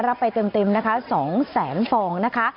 รับไปเต็มนะคะ๒แสนฟองนะคะ